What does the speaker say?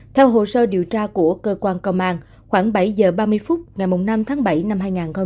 theo hồ sơ điều tra của cơ quan công an khoảng bảy h ba mươi phút ngày năm tháng bảy năm hai nghìn hai mươi ba